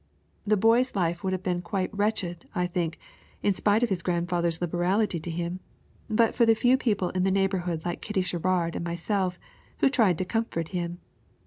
The boy's life would have been quite wretched, I think, in spite of his grandfather's liberality to him, but for the few people in the neighborhood like Kitty Sherrard and myself, who tried to comfort him.